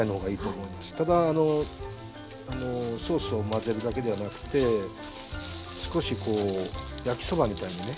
ただソースを混ぜるだけではなくて少しこう焼きそばみたいにね。